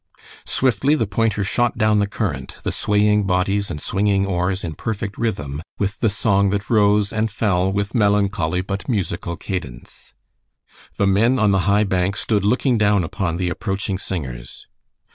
Swiftly the pointer shot down the current, the swaying bodies and swinging oars in perfect rhythm with the song that rose and fell with melancholy but musical cadence. The men on the high bank stood looking down upon the approaching singers.